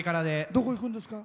どこに行くんですか？